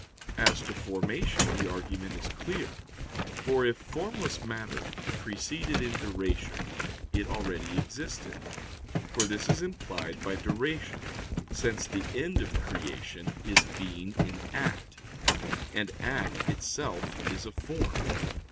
As to formation, the argument is clear. For if formless matter preceded in duration, it already existed; for this is implied by duration, since the end of creation is being in act: and act itself is a form.